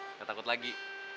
nggak takut lagi